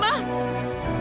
masya allah zaira